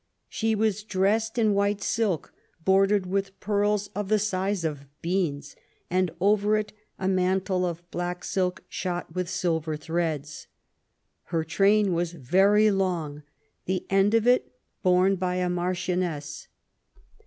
She was dressed in white silk, bordered with pearls of the size of beans, and over it a mantle of black silk shot with silver threads ; her train was very long, the end of it borne by a marchioness.